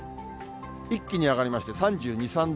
一気に上がりまして３２、３度。